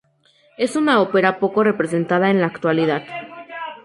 Es una ópera poco representada en la actualidad.